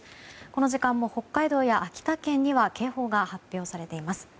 この時間も北海道や秋田県には警報が発表されています。